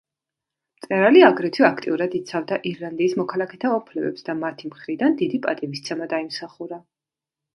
მწერალი აგრეთვე აქტიურად იცავდა ირლანდიის მოქალაქეთა უფლებებს და მათი მხრიდან დიდი პატივისცემა დაიმსახურა.